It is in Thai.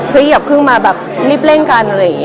อย่าเพิ่งมาแบบรีบเร่งกันอะไรอย่างนี้